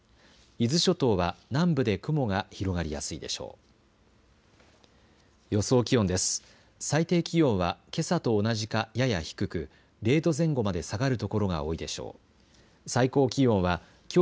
伊豆諸島は南部で雲が広がりやすいでしょう。